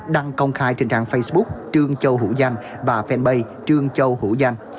đăng công khai trên trang facebook trương châu hữu danh và fanpage trương châu hữu danh